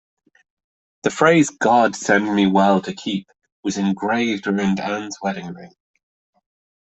The phrase "God send me well to keep" was engraved around Anne's wedding ring.